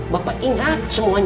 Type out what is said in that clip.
bapak ingat semuanya